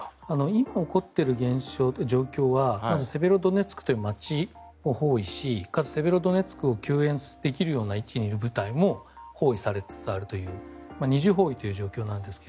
今起こっている状況はまずセベロドネツクという街を包囲しかつ、セベロドネツクを救援できる位置にいる部隊も包囲されつつあるという二重包囲という状況なんですが。